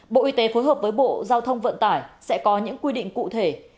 bộ y tế phối hợp với bộ giao thông vận tải sẽ có những quy định cụ thể